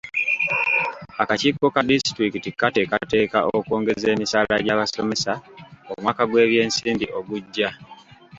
Akakiiko ka disitulikiti kateekateeka okwongeza emisaala gy'abasomesa omwaka gw'ebyensimbi ogujja.